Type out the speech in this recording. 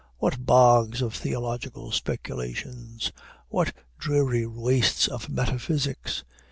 what bogs of theological speculations! what dreary wastes of metaphysics!